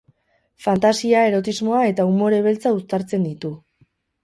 Fantasia, erotismoa eta umore beltza uztartzen ditu.